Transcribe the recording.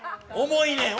重いねん！